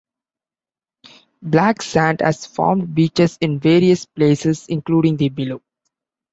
Black sand has formed beaches in various places, including the below.